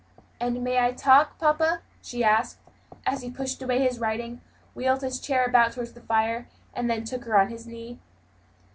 "And may I talk, papa?" she asked, as he pushed away his writing, wheeled his chair about toward the fire, and then took her on his knee.